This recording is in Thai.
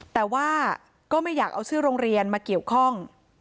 แต่ว่าก็ไม่อยากเอาชื่อโรงเรียนมาเกี่ยวข้อง